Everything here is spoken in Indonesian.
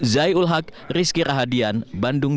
zai ul haq rizky rahadian bandung